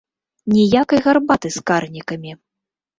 Ніякай гарбаты з карнікамі!